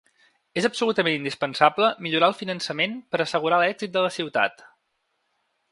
És absolutament indispensable millorar el finançament per a assegurar l’èxit de la ciutat.